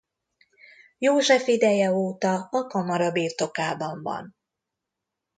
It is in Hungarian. József ideje óta a kamara birtokában van.